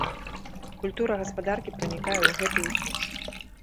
Культура гаспадаркі пранікае ў гэтую глуш.